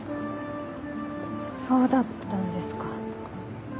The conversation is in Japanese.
そうだったんですか。